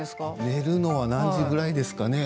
寝るのは何時ぐらいですかね